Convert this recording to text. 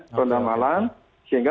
peronda malam sehingga